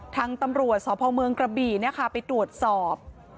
ทางตำรวจสพเมืองกระบี่ไปตรวจสอบ